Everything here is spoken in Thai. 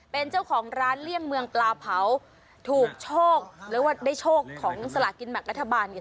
เป็นเจ้าของร้านเลี่ยงเมืองปลาเผาถูกโชคหรือว่าได้โชคของสลากินแบ่งรัฐบาลเนี่ย